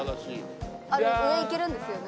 あれ上行けるんですよね。